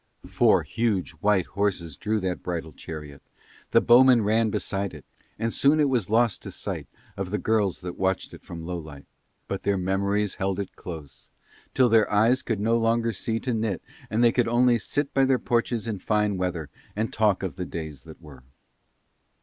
Four huge white horses drew that bridal chariot, the bowmen ran beside it, and soon it was lost to sight of the girls that watched it from Lowlight; but their memories held it close till their eyes could no longer see to knit and they could only sit by their porches in fine weather and talk of the days that were.